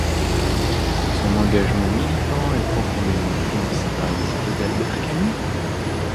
Son engagement militant est profondément influencé par les idées d'Albert Camus.